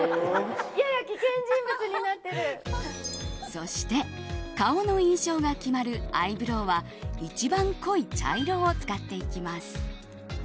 そして顔の印象が決まるアイブローは一番濃い茶色を使っていきます。